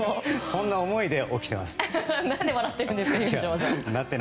そんな思いで起きてます。